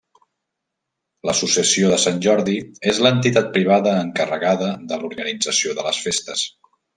L'Associació de Sant Jordi és l'entitat privada encarregada de l'organització de les festes.